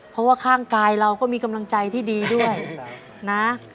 เพราะว่าข้างกายเราก็มีกำลังใจที่ดีด้วยนะ